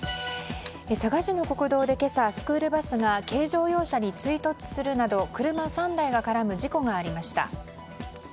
佐賀市の国道で今朝スクールバスが軽自動車に追突するなど車３台が絡む事故がありました。